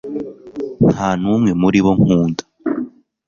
nta n'umwe muri bo nkunda